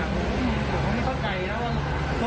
ผมไม่เข้าใจแล้วก็